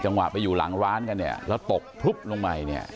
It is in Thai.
ไปอยู่หลังร้านกันเนี่ยแล้วตกพลุบลงไปเนี่ย